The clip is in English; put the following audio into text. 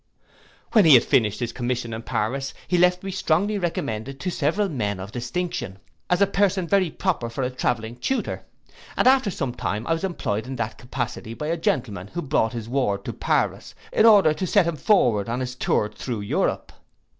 'When he had finished his commission in Paris, he left me strongly recommended to several men of distinction, as a person very proper for a travelling tutor; and after some time I was employed in that capacity by a gentleman who brought his ward to Paris, in order to set him forward on his tour through Europe.